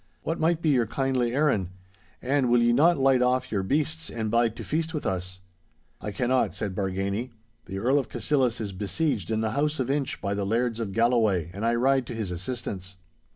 What might be your kindly errand? And will ye not light off your beasts and bide to feast with us.' 'I cannot,' said Bargany. 'The Earl of Cassillis is besieged in the house of Inch by the Lairds of Galloway, and I ride to his assistance.